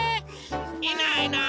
いないいない。